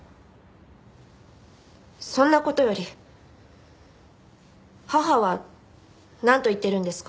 そんな事より母はなんと言ってるんですか？